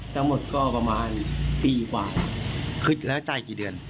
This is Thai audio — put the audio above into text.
ทั้งหมดก็ประมาณปีกว่าคิดแล้วจ่ายกี่เดือน